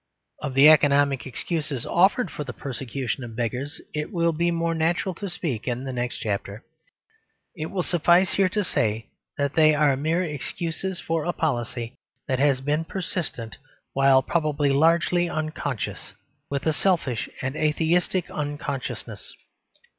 Of the economic excuses offered for the persecution of beggars it will be more natural to speak in the next chapter. It will suffice here to say that they are mere excuses, for a policy that has been persistent while probably largely unconscious, with a selfish and atheistic unconsciousness.